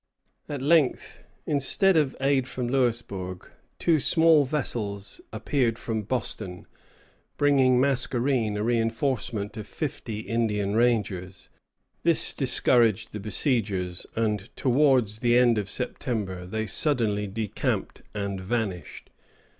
At length, instead of aid from Louisbourg, two small vessels appeared from Boston, bringing Mascarene a reinforcement of fifty Indian rangers. This discouraged the besiegers, and towards the end of September they suddenly decamped and vanished.